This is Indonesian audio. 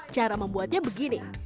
cara membuatnya begini